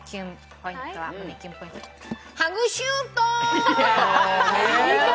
ポイントは、ハグシュート！